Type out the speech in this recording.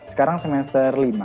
sekarang semester lima